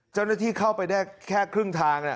เจ้าหน้าที่เข้าไปได้แค่ครึ่งทาง